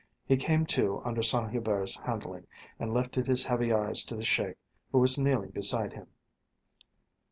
He came to under Saint Hubert's handling, and lifted his heavy eyes to the Sheik, who was kneeling beside him.